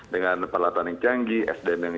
dengan peralatan yang canggih sdn yang